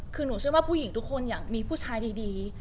คือหนูเชื่อว่าผู้หญิงทุกคนอยากมีผู้ชายดี